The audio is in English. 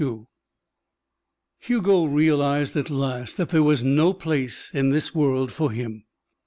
XXII Hugo realized at last that there was no place in his world for him.